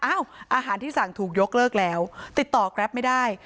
อาหารที่สั่งถูกยกเลิกแล้วติดต่อแกรปไม่ได้